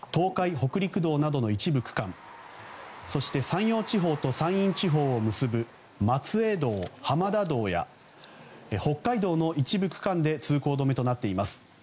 北陸道などの一部区間そして山陽地方と山陰地方を結ぶ松江道、浜田道や北海道の一部区間で通行止めとなっています。